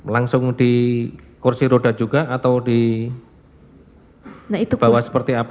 langsung di kursi roda juga atau di bawah seperti apa